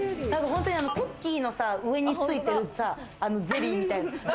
本当にクッキーのさ、上についてるゼリーみたいな。